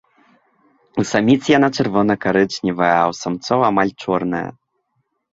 У саміц яна чырвона-карычневая, а ў самцоў амаль чорная.